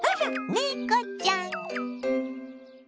猫ちゃん！